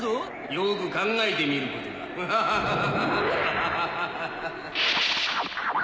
よく考えてみることだハハハハハ。